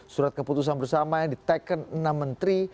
surat keputusan bersama yang diteken enam menteri